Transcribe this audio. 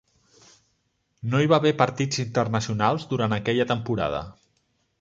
No hi va haver partits internacionals durant aquella temporada.